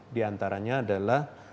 di antaranya adalah